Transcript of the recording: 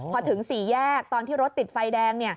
พอถึง๔แยกตอนที่รถติดไฟแดง